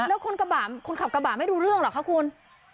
แล้วคนขับกระบะไม่รู้เรื่องเหรอคะคุณ